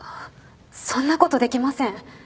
そんなことできません。